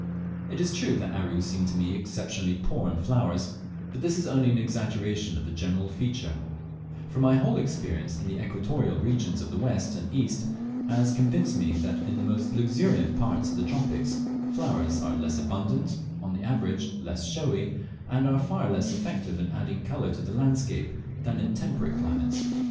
It is true that Aru seemed to me exceptionally poor in flowers, but this is only an exaggeration of a general tropical feature; for my whole experience in the equatorial regions of the west and the east has convinced me, that in the most luxuriant parts of the tropics, flowers are less abundant, on the average less showy, and are far less effective in adding colour to the landscape than in temperate climates.